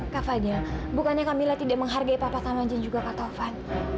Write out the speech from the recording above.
kak fadil bukannya kamilah tidak menghargai papa tamajin juga kak tovan